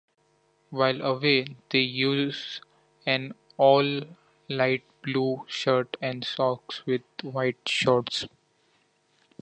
While away, they use an all light blue shirt and socks with white shorts.